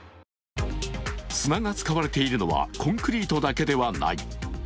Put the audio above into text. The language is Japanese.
砂が使われているのはコンクリートだけではない。